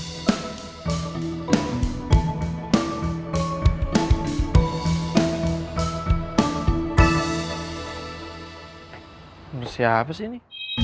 menurut siapa sih ini